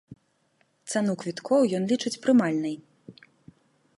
Цану квіткоў ён лічыць прымальнай.